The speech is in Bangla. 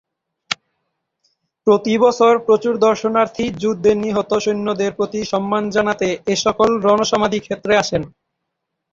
প্রতিবছর প্রচুর দর্শনার্থী যুদ্ধে নিহত সৈন্যদের প্রতি সম্মান জানাতে এসকল রণ সমাধিক্ষেত্রে আসেন।